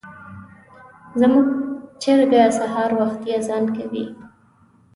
زموږ چرګه سهار وختي اذان کوي.